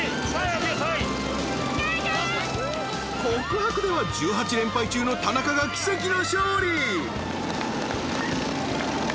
［告白では１８連敗中の田中が奇跡の勝利］